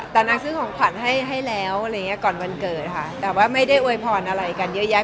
แต่นางซื้อของขวัญให้ให้แล้วอะไรอย่างเงี้ก่อนวันเกิดค่ะแต่ว่าไม่ได้อวยพรอะไรกันเยอะแยะ